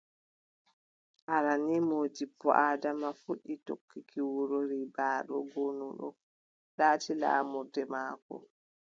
Aran nii Moodibbo Adama fuɗɗi togguki wuro Ribaaɗo no ngo laata laamurde maako.